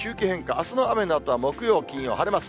あすの雨のあとは木曜、金曜、晴れます。